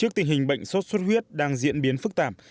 trước tình hình bệnh sốt xuất huyết đang diễn biến phức tạp